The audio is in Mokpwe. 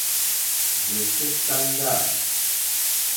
Rzɛ̀kɛ́táŋɡâ.